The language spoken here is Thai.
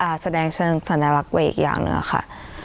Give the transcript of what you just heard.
อ่าแสดงฉันแสดงรักไว้อีกอย่างหนึ่งอะค่ะ